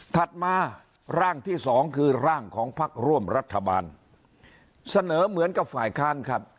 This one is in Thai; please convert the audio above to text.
ถัดมาร่างที่สองคือร่างของพักร่วมรัฐบาลเสนอเหมือนกับฝ่ายค้านครับ